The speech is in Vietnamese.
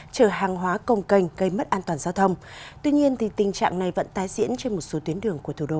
chở hàng hóa công cành gây mất an toàn giao thông tuy nhiên tình trạng này vẫn tái diễn trên một số tuyến đường của thủ đô